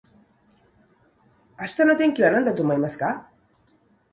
明日の天気はなんだと思いますか